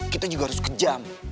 kita juga harus kejam